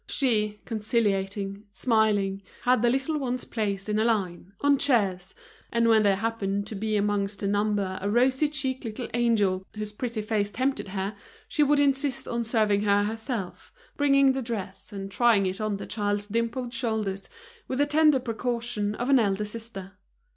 She, conciliating, smiling, had the little ones placed in a line, on chairs; and when there happened to be amongst the number a rosy cheeked little angel, whose pretty face tempted her, she would insist on serving her herself, bringing the dress and trying it on the child's dimpled shoulders, with the tender precaution of an elder sister.